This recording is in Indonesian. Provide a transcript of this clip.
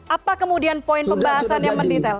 apa kemudian poin pembahasan yang mendetail